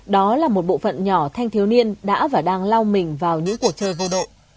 đó là một bộ phận nhỏ thanh thiếu niên đã và đang lao mình vào những cuộc chơi vô độ